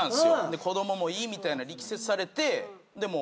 で子供もいいみたいな力説されて。